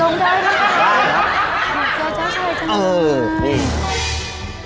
อยากเจอเจ้าชายจริง